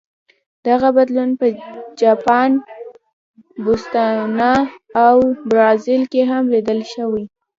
دغه بدلون په جاپان، بوتسوانا او برازیل کې هم لیدل شوی.